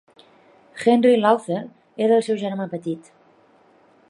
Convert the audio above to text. Henry Lowther era el seu germà petit.